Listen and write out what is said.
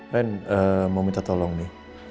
lain mau minta tolong nih